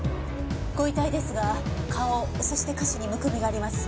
ご遺体ですが顔そして下肢にむくみがあります。